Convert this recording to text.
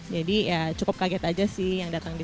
jadi ya cukup kaget aja sih yang datang disini